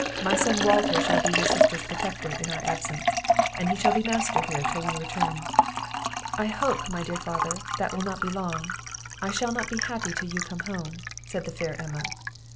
My son Walter shall be his sister's protector in our absence, and he shall be master here till we return." "I hope, my dear father, that will not be long; I shall not be happy till you come home," said the fair Emma.